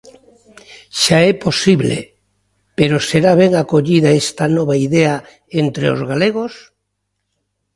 Xa é posible, pero será ben acollida esta nova idea entre os galegos?